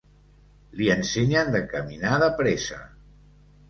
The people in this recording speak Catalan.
Li ensenyen de caminar de pressa.